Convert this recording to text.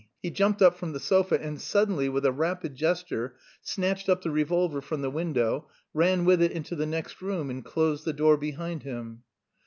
He jumped up from the sofa and suddenly, with a rapid gesture, snatched up the revolver from the window, ran with it into the next room, and closed the door behind him.